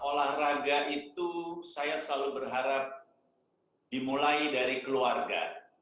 olahraga itu saya selalu berharap dimulai dari keluarga